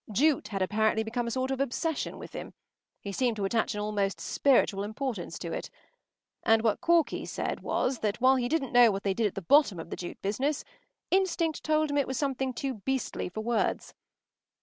Jute had apparently become a sort of obsession with him. He seemed to attach almost a spiritual importance to it. And what Corky said was that, while he didn’t know what they did at the bottom of the jute business, instinct told him that it was something too beastly for words.